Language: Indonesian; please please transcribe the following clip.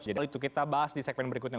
soal itu kita bahas di segmen berikutnya